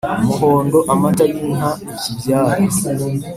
umuhondo amata y’inka ikibyara